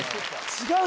違う